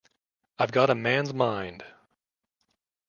I've got a man's mind.